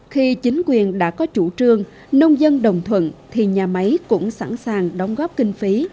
khi chính quyền đã có chủ trương nông dân đồng thuận thì nhà máy cũng sẵn sàng đóng góp kinh phí